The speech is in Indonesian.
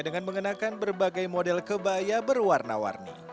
dengan mengenakan berbagai model kebaya berwarna warni